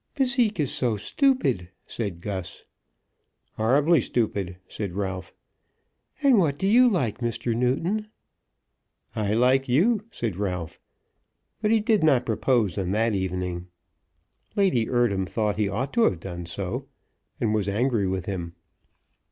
"Bésique is so stupid," said Gus. "Horribly stupid," said Ralph. "And what do you like, Mr. Newton?" "I like you," said Ralph. But he did not propose on that evening. Lady Eardham thought he ought to have done so, and was angry with him.